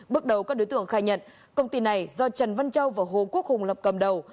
bước đầu các đối tượng khai nhận công ty này do trần văn châu và hồ quốc hùng lập cầm đầu